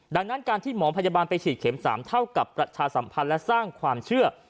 ดังนั้นการที่หมอพยาบาลไปฉีดเข็ม๓เท่ากับประชาสัมพันธ์และสร้างความเชื่อ